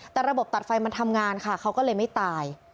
แต่ระบบตัดไฟมันทำงานค่ะเขาก็เลยไม่ตาย